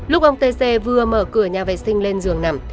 lúc ông t c vừa mở cửa nhà vệ sinh lên giường nằm